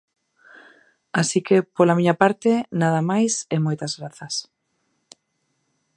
Así que, pola miña parte, nada máis e moitas grazas.